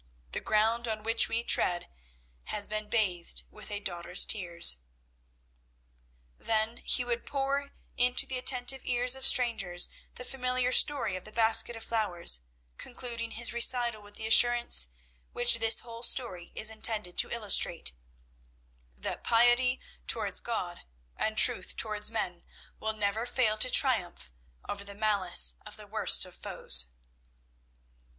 The ground on which we tread has been bathed with a daughter's tears." Then he would pour into the attentive ears of strangers the familiar story of the basket of flowers, concluding his recital with the assurance which this whole story is intended to illustrate: That piety towards God and truth towards men will never fail to triumph over the malice of the worst of foes.